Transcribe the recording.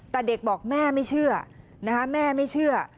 แต่เด็กบอกแม่ไม่เชื่อนะคะแม่ไม่เชื่อ